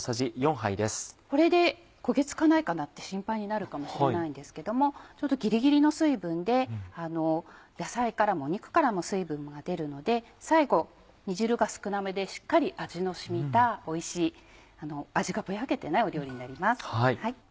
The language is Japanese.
これで焦げ付かないかなって心配になるかもしれないんですけどもちょうどギリギリの水分で野菜からも肉からも水分が出るので最後煮汁が少なめでしっかり味の染みたおいしい味がぼやけてない料理になります。